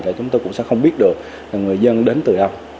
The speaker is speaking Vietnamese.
là chúng tôi cũng sẽ không biết được là người dân đến từ đâu